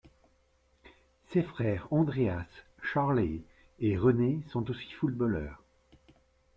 Ses frères Andreas, Charley et René sont aussi footballeurs.